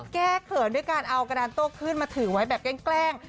เขินด้วยการเอากระดานโต้ขึ้นมาถือไว้แบบแกล้ง